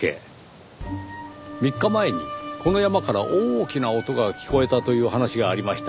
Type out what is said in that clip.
３日前にこの山から大きな音が聞こえたという話がありました。